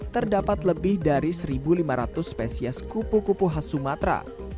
terdapat lebih dari satu lima ratus spesies kupu kupu khas sumatera